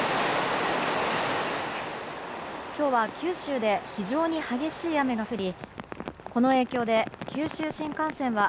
今日は九州で非常に激しい雨が降りこの影響で、九州新幹線は